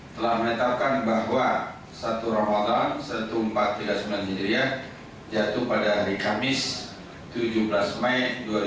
telah menetapkan bahwa satu ramadan seribu empat ratus tiga puluh sembilan hijriah jatuh pada hari kamis tujuh belas mei